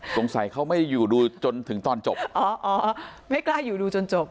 สงสัยเขาไม่อยู่ดูจนถึงตอนจบอ๋ออ๋อไม่กล้าอยู่ดูจนจบ